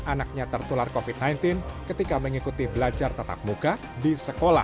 anaknya tertular covid sembilan belas ketika mengikuti belajar tatap muka di sekolah